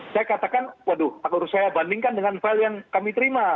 saya katakan waduh aku harus saya bandingkan dengan file yang kami terima